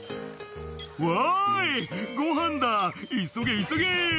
「わいごはんだ急げ急げ」